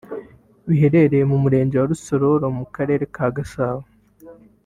biherereye mu murenge wa Rusororo mu Karere ka Gasabo